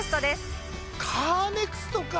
カーネクストか！